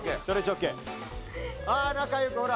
ああ仲良くほら。